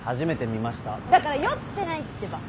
だから酔ってないってば。